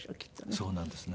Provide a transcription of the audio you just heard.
そうなんですね。